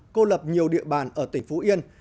cô lập nhiều địa bàn ở tỉnh phú yên